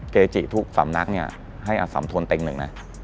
เกจิทุก๓นักให้อสัมธนตร์เต็มหนึ่งนะ